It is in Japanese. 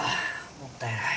もったいない。